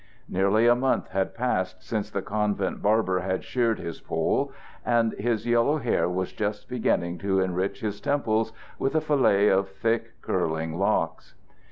Nearly a month had passed since the convent barber had sheared his poll, and his yellow hair was just beginning to enrich his temples with a fillet of thick curling locks.